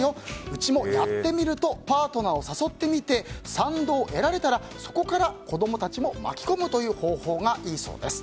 うちもやってみる？とパートナーを誘ってみて賛同を得られたらそこから子供たちを巻き込むという方法がいいそうです。